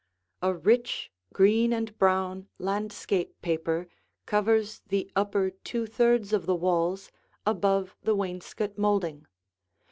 A rich green and brown landscape paper covers the upper two thirds of the walls above the wainscot molding.